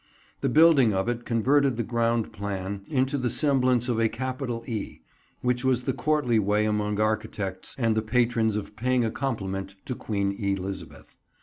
The building of it converted the ground plan into the semblance of a capital E, which was the courtly way among architects and their patrons of paying a compliment to Queen Elizabeth.